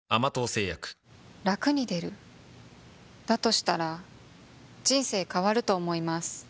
したら人生変わると思います